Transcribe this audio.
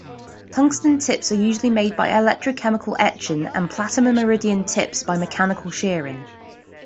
Tungsten tips are usually made by electrochemical etching, and platinum-iridium tips by mechanical shearing.